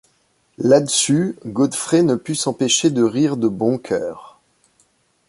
Là-dessus, Godfrey ne put s’empêcher de rire de bon cœur!